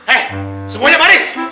eh semuanya manis